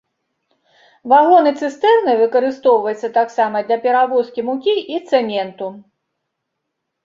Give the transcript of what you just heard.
Вагоны-цыстэрны выкарыстоўваюцца таксама для перавозкі мукі і цэменту.